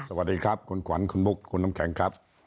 สวัสดีครับคุณขวัญคุณบุ๊คคุณน้ำแข็งครับ